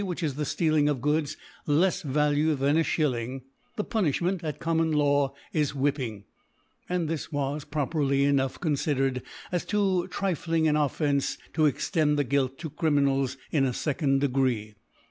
530, which ( I" ) vfhkh IS the Stealing Goods of kis Value than a Shillings the Punifhment at common La^ is Whipping ; and this was prpperly raough cx^nfidered ^ too (rifling an Offence to extend the Guilt to Criminals in a focond Degree.